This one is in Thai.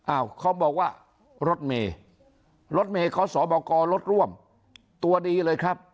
อ้าวเขาบอกว่ารถเมรถเมย์ขอสอบอกกรรถร่วมตัวดีเลยครับ